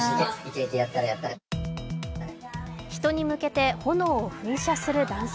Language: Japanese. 人に向けて炎を噴射する男性。